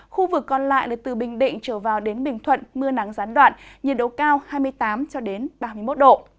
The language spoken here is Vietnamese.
khu vực còn lại là từ bình định trở vào đến bình thuận mưa nắng gián đoạn nhiệt độ cao hai mươi tám ba mươi một độ